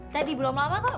tadi belum lama kok